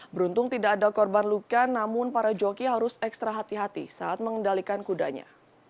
beruntung tidak ada korban luka namun para joki harus ekstra hati hati saat mengendalikan kudanya